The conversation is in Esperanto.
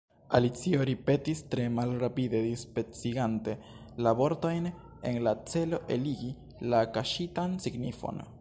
Alicio ripetis tre malrapide, dispecigante la vortojn en la celo eligi la kaŝitan signifon.